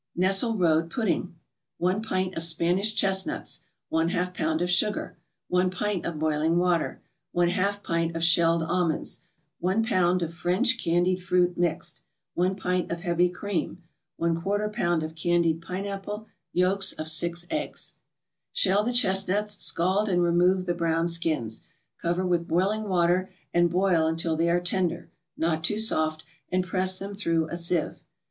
NESSELRODE PUDDING 1 pint of Spanish chestnuts 1/2 pound of sugar 1 pint of boiling water 1/2 pint of shelled almonds 1 pound of French candied fruit, mixed 1 pint of heavy cream 1/4 pound of candied pineapple Yolks of six eggs Shell the chestnuts, scald and remove the brown skins, cover with boiling water and boil until they are tender, not too soft, and press them through a sieve.